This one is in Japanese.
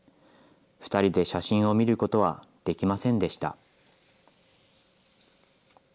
２人で写真を見ることはできませんでした。